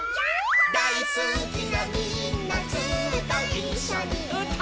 「だいすきなみんなずっといっしょにうたおう」